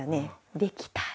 できた。